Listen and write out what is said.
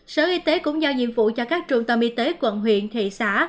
sở y tế cũng giao nhiệm vụ cho các trung tâm y tế quận huyện thị xã